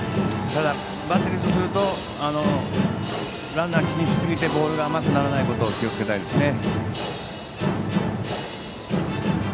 ただ、バッテリーとするとランナーを気にしすぎてボールが甘くならないことを気をつけたいですね。